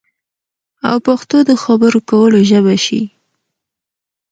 او پښتو د خبرو کولو ژبه شي